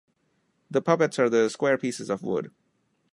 The puppets are the square pieces of wood.